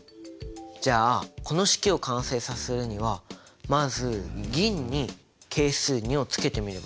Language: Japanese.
じゃあこの式を完成させるにはまず銀に係数２をつけてみればいいかな？